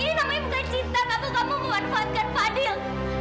ini namanya bukan cinta kamu kamu memanfaatkan fadil